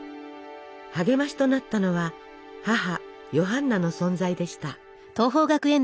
励ましとなったのは母ヨハンナの存在でした。